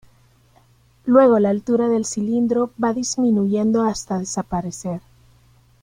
Luego la altura del cilindro va disminuyendo hasta desaparecer.